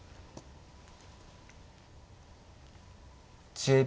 １０秒。